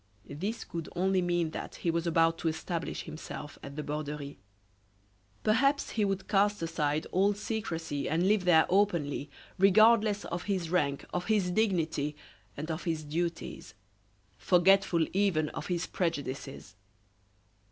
This could only mean that he was about to establish himself at the Borderie. Perhaps he would cast aside all secrecy and live there openly, regardless of his rank, of his dignity, and of his duties; forgetful even of his prejudices.